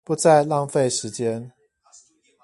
不再浪費時間